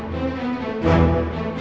tadi mama aku lewat